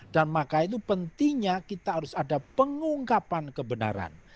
dan maka itu pentingnya kita harus ada pengungkapan kebenaran